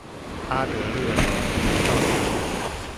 阿德勒的教導